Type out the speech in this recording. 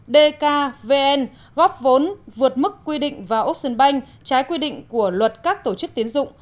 dkvn góp vốn vượt mức quy định vào ốc sơn banh trái quy định của luật các tổ chức tiến dụng